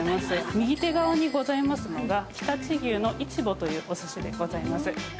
右手側にございますのが、常陸牛のイチボというおすしでございます。